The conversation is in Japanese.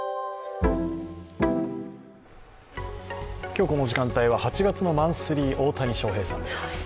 今日この時間帯は８月のマンスリー大谷翔平さんです。